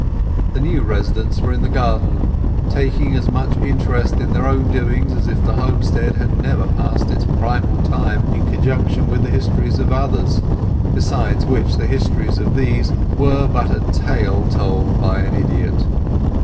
The new residents were in the garden, taking as much interest in their own doings as if the homestead had never passed its primal time in conjunction with the histories of others, beside which the histories of these were but as a tale told by an idiot.